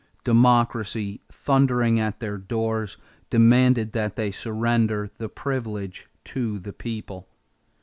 Democracy, thundering at their doors, demanded that they surrender the privilege to the people.